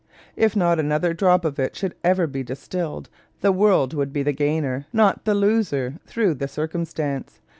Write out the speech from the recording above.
If not another drop of it should ever be distilled, the world would be the gainer, not the loser, through the circumstance.